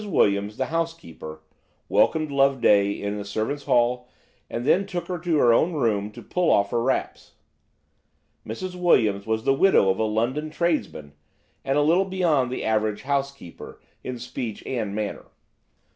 Williams, the housekeeper, welcomed Loveday in the servants' hall, and then took her to her own room to pull off her wraps. Mrs. Williams was the widow of a London tradesman, and a little beyond the average housekeeper in speech and manner.